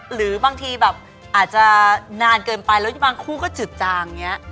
หรือบางทีแบบอาจจะนานเกินไปแล้วบางครูก็จึดจาง